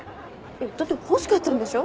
だって欲しかったんでしょ？